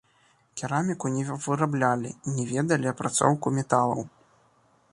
Кераміку не выраблялі, не ведалі апрацоўку металаў.